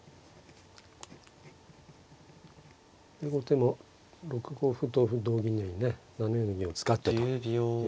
後手も６五歩同歩同銀のようにね７四の銀を使ってという展開。